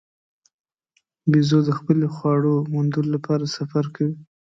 بیزو د خپلې خواړو موندلو لپاره سفر کوي.